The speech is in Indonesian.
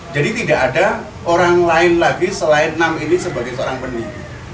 jadi tidak ada orang lain lagi selain enam ini sebagai seorang pendiri